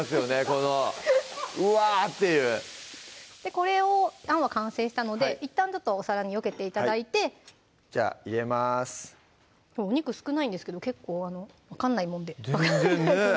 このうわっていうこれをあんは完成したのでいったんちょっとお皿によけて頂いてじゃあ入れますお肉少ないんですけど結構分かんないもんで全然ね